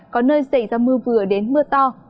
có nơi xảy ra mưa vừa đến mưa to